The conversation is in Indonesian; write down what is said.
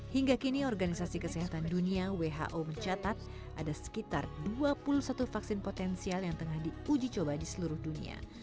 hingga kini organisasi kesehatan dunia who mencatat ada sekitar dua puluh satu vaksin potensial yang tengah diuji coba di seluruh dunia